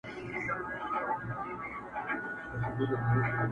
تنها نوم نه چي خِصلت مي د انسان سي،